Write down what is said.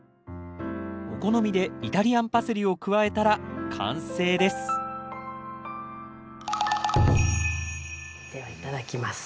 お好みでイタリアンパセリを加えたら完成ですではいただきます。